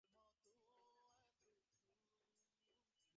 তিনি মনে মনে হাসিয়া কহিলেন, শরীর ভালো করিয়া দিতেছি।